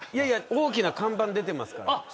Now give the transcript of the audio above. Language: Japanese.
大きな看板出てますから。